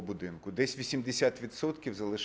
tidak keluar dari rumah sakit